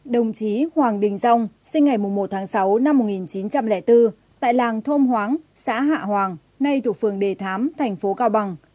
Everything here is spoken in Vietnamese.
đồng chí hoàng đình dông sinh ngày một tháng sáu năm một nghìn chín trăm linh bốn tại làng thôm hoáng xã hạ hoàng nay thuộc phường đề thám thành phố cao bằng